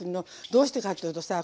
どうしてかっていうと根菜はさ